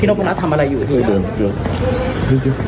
พี่นอฟบุญัติทำอะไรอยู่ที่นั้น